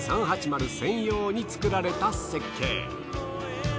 専用に作られた設計。